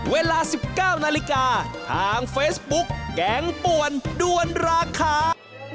เวลา๑๙นาฬิกาทางเฟซบุ๊กแกงป่วนด้วนราคา